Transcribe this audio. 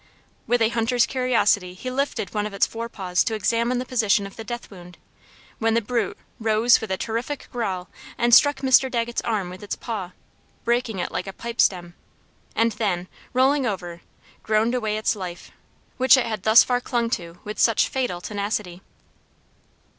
With a hunter's curiosity, he lifted one of its forepaws to examine the position of the death wound, when the brute rose with a terrific growl and struck Mr. Dagget's arm with its paw, breaking it like a pipe stem, and then, rolling over, groaned away its life, which it had thus far clung to with such fatal tenacity.